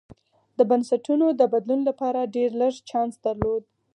د بنسټونو د بدلون لپاره ډېر لږ چانس درلود.